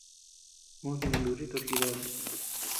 Un jinanuchi toch gideabe.